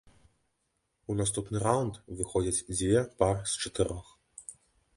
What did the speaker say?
У наступны раўнд выходзяць дзве пары з чатырох.